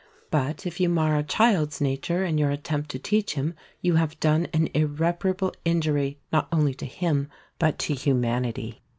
But if you mar a child's nature in your attempt to teach him, you have done an irreparable injury not only to him but to humanity.